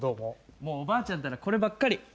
もうおばあちゃんったらこればっかり。